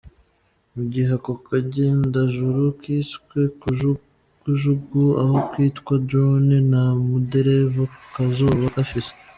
Mu gihe ako kagendajuru kiswe Kajugujugu aho kwitwa "drone", nta mudereva kazoba gafise.